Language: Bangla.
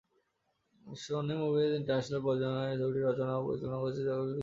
সনি মুভিজ ইন্টারন্যাশনালের প্রযোজনায় ছবিটি রচনা ও পরিচালনা করেছেন পরিচালক যুগল অপূর্ব-রানা।